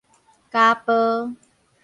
家暴